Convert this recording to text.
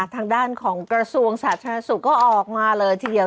ทางด้านของกระทรวงสาธารณสุขก็ออกมาเลยทีเดียว